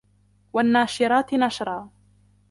والناشرات نشرا